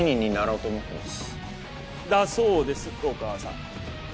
だそうですお母さん。